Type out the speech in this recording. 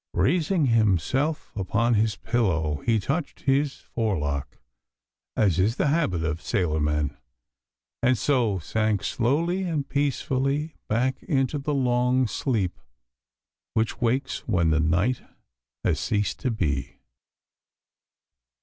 Raising himself upon his pillow he touched his forelock, as is the habit of sailor men, and so sank slowly and peacefully back into the long sleep which wakes when the night has ceased to be.